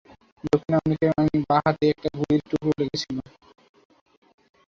দক্ষিণ আমেরিকায় আমি বাঁ হাতে একটা গুলির টুকরো লেগেছিল।